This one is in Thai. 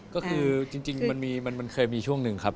ก็คือจริงมันเคยมีช่วงหนึ่งครับ